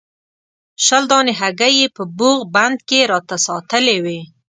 شل دانې هګۍ یې په بوغ بند کې راته ساتلې وې.